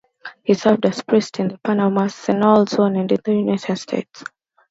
He served as priest in the Panama Canal Zone and in the United States.